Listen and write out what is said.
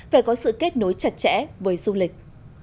phải có sự kết nối chặt chẽ với du lịch